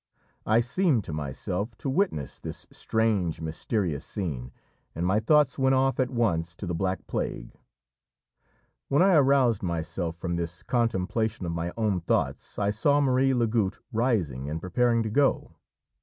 I seemed to myself to witness this strange, mysterious scene, and my thoughts went off at once to the Black Plague. When I aroused myself from this contemplation of my own thoughts, I saw Marie Lagoutte rising and preparing to go.